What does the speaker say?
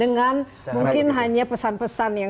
dengan mungkin hanya pesan pesan yang